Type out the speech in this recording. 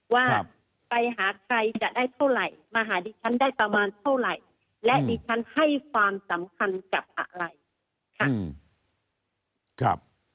ว่าไปหาใครจะได้เท่าไหร่มาหาดิฉันได้ประมาณเท่าไหร่และดิฉันให้ความสำคัญกับอะไรค่ะ